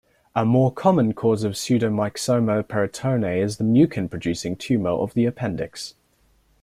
A more common cause of pseudomyxoma peritonei is a mucin-producing tumor of the appendix.